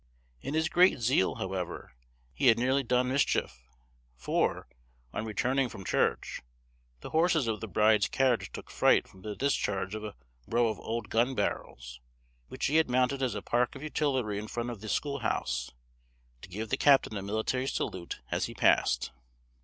In his great zeal, however, he had nearly done mischief; for, on returning from church, the horses of the bride's carriage took fright from the discharge of a row of old gun barrels, which he had mounted as a park of artillery in front of the school house, to give the captain a military salute as he passed.